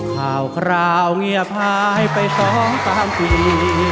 ข่าวข่าวเงียบหายไปสองสามปี